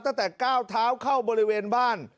ตั้งแต่ก้าวเท้าเข้าบริเวณบ้าน